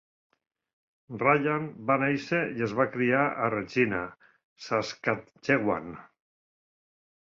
Ryan va néixer i es va criar a Regina, Saskatchewan.